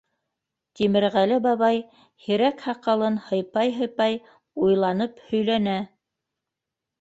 Тимерғәле бабай, һирәк һаҡалын һыйпай-һыйпай, уйланып һөйләнә: